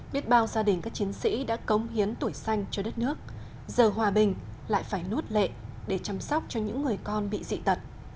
biết bao gia đình các chiến sĩ đã cống hiến tuổi xanh cho đất nước giờ hòa bình lại phải nuốt lệ để chăm sóc cho những người con bị dị tật